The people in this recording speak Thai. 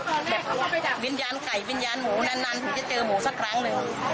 แบบวิญญาณไก่วิญญาณหมูนานถึงจะเจอหมูสักครั้งหนึ่ง